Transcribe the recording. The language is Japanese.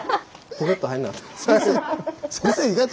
ポケット入んなかった。